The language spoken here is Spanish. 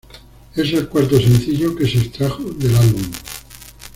Es el cuarto sencillo que se extrajo del álbum.